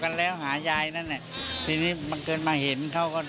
กันแล้วพ่อหายายนะแน่เพื่อนเกิร์ณมาเห็นเขา